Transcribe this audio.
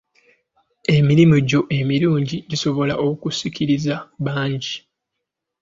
Emirimu gyo emirungi gisobola okusikiriza bangi.